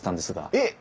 えっ！